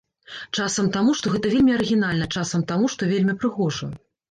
Часам таму, што гэта вельмі арыгінальна, часам таму, што вельмі прыгожа.